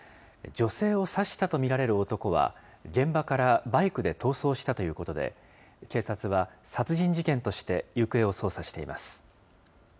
女性を刺したと見られる男は、現場からバイクで逃走したということで、警察は殺人事件として行方を捜査しています。